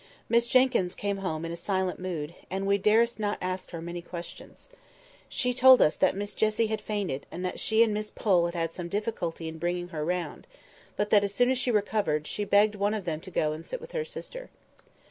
Miss Jenkyns came home in a silent mood, and we durst not ask her many questions. She told us that Miss Jessie had fainted, and that she and Miss Pole had had some difficulty in bringing her round; but that, as soon as she recovered, she begged one of them to go and sit with her sister.